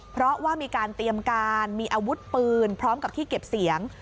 เพราะว่ามีการเตรียมการมีอาวุธปืนพร้อมกับที่เก็บเสียง